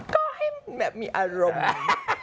ก็ให้แบบมีอารมณ์